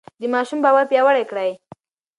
د ماشوم باور پیاوړی کړئ.